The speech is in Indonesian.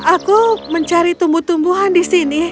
aku mencari tumbuh tumbuhan di sini